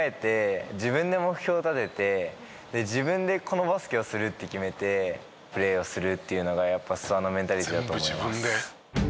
自分でこのバスケをするって決めてプレーをするっていうのがやっぱり諏訪のメンタリティだと思います。